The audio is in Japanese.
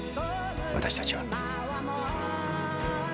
私たちは。